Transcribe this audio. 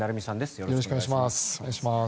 よろしくお願いします。